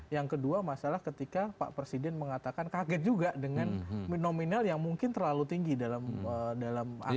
yang kedua masalah ketika pak presiden mengatakan kaget juga dengan nominal yang mungkin terlalu tinggi dalam anggaran